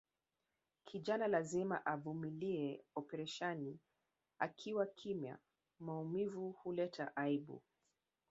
Kijana lazima avumilie operesheni akiwa kimya maumivu huleta aibu